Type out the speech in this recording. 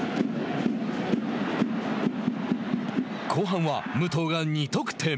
後半は武藤が２得点。